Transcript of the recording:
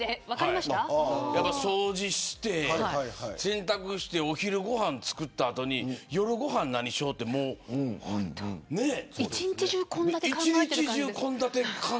掃除して洗濯してお昼ご飯を作った後夜ご飯を何にしようと一日中、献立を考えてるから。